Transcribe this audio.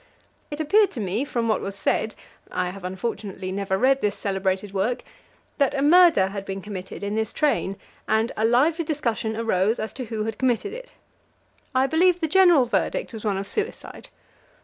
It appeared to me, from what was said I have unfortunately never read this celebrated work that a murder had been committed in this train, and a lively discussion arose as to who had committed it. I believe the general verdict was one of suicide.